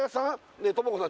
ねえ知子さん